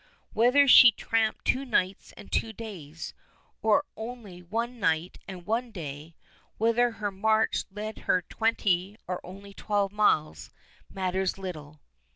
Whether she tramped two nights and two days, or only one night and one day, whether her march led her twenty or only twelve miles, matters little.